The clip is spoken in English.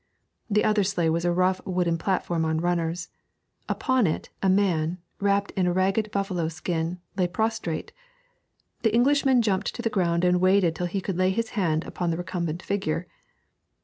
The other sleigh was a rough wooden platform on runners. Upon it a man, wrapped in a ragged buffalo skin, lay prostrate. The Englishman jumped to the ground and waded till he could lay his hand upon the recumbent figure.